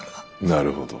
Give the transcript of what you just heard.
なるほど。